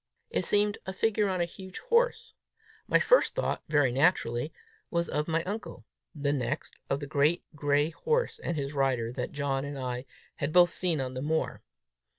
It seemed a figure on a huge horse. My first thought, very naturally, was of my uncle; the next, of the great gray horse and his rider that John and I had both seen on the moor.